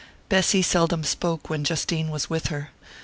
Bessy seldom spoke when Justine was with her.